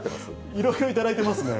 いろいろ頂いてますね。